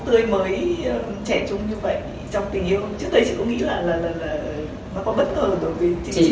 trước đây chị cũng nghĩ là